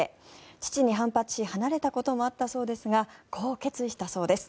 父に反発し離れたこともあったそうですがこう決意したそうです。